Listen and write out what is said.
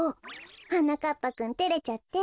はなかっぱくんてれちゃって。